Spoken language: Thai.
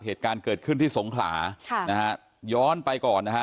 เหตุการณ์เกิดขึ้นที่สงขลาค่ะนะฮะย้อนไปก่อนนะฮะ